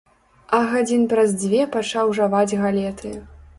А гадзін праз дзве пачаў жаваць галеты.